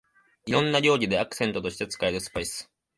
いろんな料理でアクセントとして使えるスパイス